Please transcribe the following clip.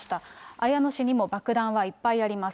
綾野氏にも爆弾はいっぱいあります。